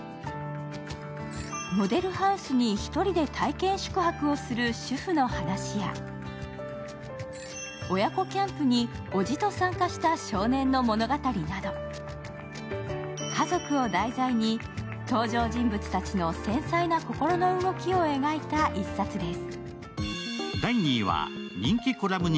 モデルハウスに１人で体験宿泊をする主婦の話や親子キャンプにおじと参加した少年の物語など、家族を題材に登場人物たちの繊細な心の動きを描いた一冊です。